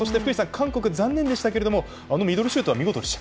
韓国、残念でしたけれどあのミドルシュートは見事でした。